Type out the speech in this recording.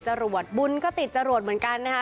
จรวดบุญก็ติดจรวดเหมือนกันนะคะ